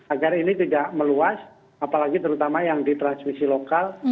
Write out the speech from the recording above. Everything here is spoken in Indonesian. agar ini tidak meluas apalagi terutama yang di transmisi lokal